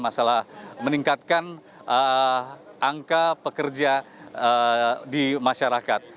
masalah meningkatkan angka pekerja di masyarakat